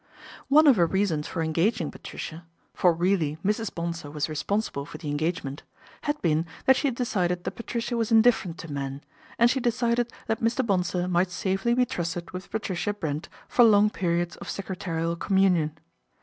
One of her reasons for engaging Patricia, for really Mrs. Bonsor was responsible for the engage ment, had been that she had decided that Patricia was indifferent to men, and she decided that Mr. Bonsor might safely be trusted with Patricia Brent for long periods of secretarial communion.